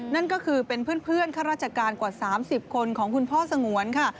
นั่นก็คือเป็นเพื่อนข้าราชการกว่า๓๐คนของคุณพ่อสงวนค่ะ